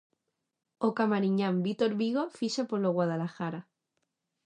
O camariñán Vítor Vigo ficha polo Guadalajara.